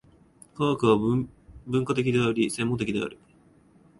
科学は分科的であり、専門的である。